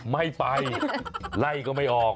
ไม่ไปไล่ก็ไม่ออก